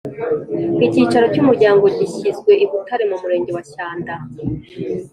Icyicaro cy’umuryango gishyizwe i Butare mu murenge wa Shyanda